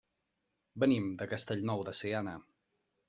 Venim de Castellnou de Seana.